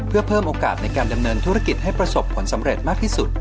เพื่อเพิ่มโอกาสในการดำเนินธุรกิจให้ประสบผลสำเร็จมากที่สุด